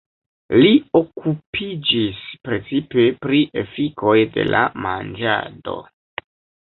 Li okupiĝis precipe pri efikoj de la manĝado.